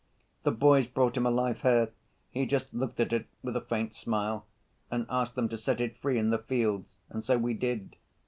The boys brought him a live hare; he just looked at it, with a faint smile, and asked them to set it free in the fields. And so we did.